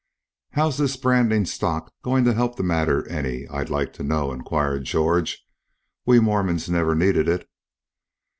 "How's this branding stock going to help the matter any, I'd like to know?" inquired George. "We Mormons never needed it."